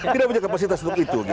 tidak punya kapasitas untuk itu